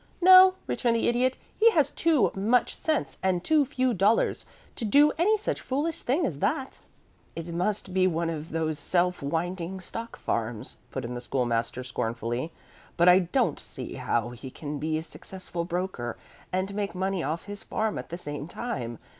"No," returned the Idiot, "he has too much sense and too few dollars to do any such foolish thing as that." "It must be one of those self winding stock farms," put in the School master, scornfully. "But I don't see how he can be a successful broker and make money off his farm at the same time.